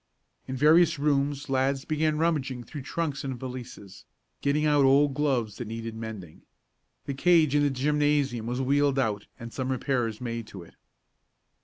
In various rooms lads began rummaging through trunks and valises, getting out old gloves that needed mending. The cage in the gymnasium was wheeled out and some repairs made to it.